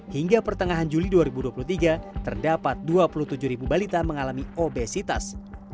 hingga pertengahan juli dua ribu dua puluh tiga terdapat dua puluh tujuh ribu balita mengalami obesitas